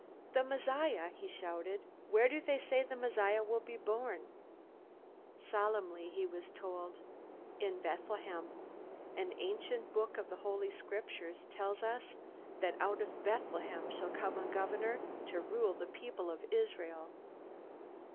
"The Messiah!" he shouted. "Where do they say the Messiah will be born?" Solemnly he was told: "In Bethlehem. An ancient book of the Holy Scriptures tells us that out of Bethlehem shall come a governor to rule the people of Israel."